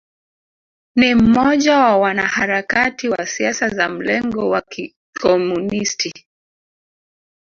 Ni mmoja wa wanaharakati wa siasa za mlengo wa Kikomunisti